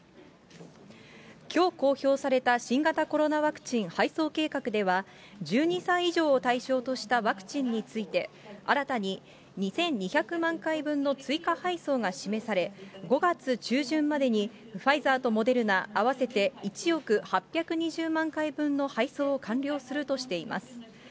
きょう公表された新型コロナワクチン配送計画では、１２歳以上を対象としたワクチンについて、新たに２２００万回分の追加配送が示され、５月中旬までにファイザーとモデルナ、合わせて１億８２０万回分の配送を完了するとしています。